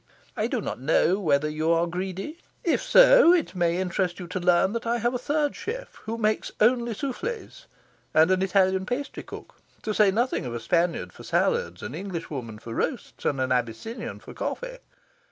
I do not know whether you are greedy? If so, it may interest you to learn that I have a third chef, who makes only souffles, and an Italian pastry cook; to say nothing of a Spaniard for salads, an Englishwoman for roasts, and an Abyssinian for coffee.